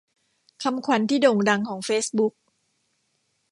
คำขวัญที่โด่งดังของเฟซบุ๊ก